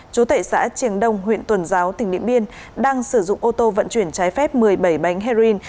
chú tệ xã triềng đông huyện tuần giáo tỉnh điện biên đang sử dụng ô tô vận chuyển trái phép một mươi bảy bánh heroin